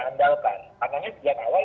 andalkan makanya sejak awal